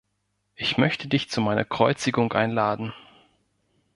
Ich möchte dich zu meiner Kreuzigung einladen.